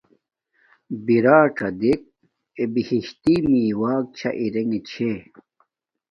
بِرݳںڅݳ دݵک، اݺ کلݳ بِہِشتݵئ مݵݸݳ چھݳ رݵݣݺ چھݺ.